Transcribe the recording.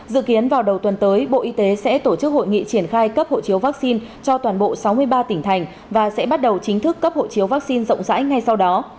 dự kiến vào đầu tuần tới bộ y tế sẽ tổ chức hội nghị triển khai cấp hộ chiếu vaccine cho toàn bộ sáu mươi ba tỉnh thành và sẽ bắt đầu chính thức cấp hộ chiếu vaccine rộng rãi ngay sau đó